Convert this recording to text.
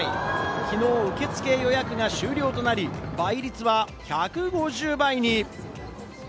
きのう受付予約が終了となり、倍率は１５０倍に。